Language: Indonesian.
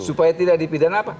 supaya tidak dipidan apa